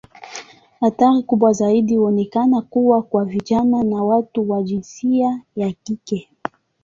Hatari kubwa zaidi inaonekana kuwa kwa vijana na watu wa jinsia ya kike.